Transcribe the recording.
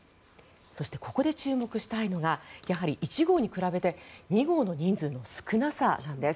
そして、ここで注目したいのがやはり１号に比べて２号の人数の少なさなんです。